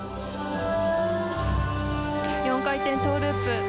４回転トウループ。